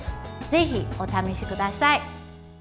ぜひ、お試しください。